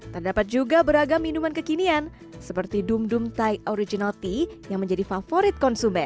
terdapat juga beragam minuman kekinian seperti dum dum thai original tea yang menjadi favorit konsumen